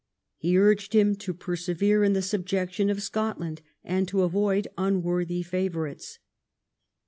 He urged him to persevere in the subjection of Scotland, and to avoid unworthy favourites.